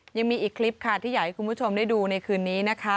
ยังมีอีกคลิปค่ะที่อยากให้คุณผู้ชมได้ดูในคืนนี้นะคะ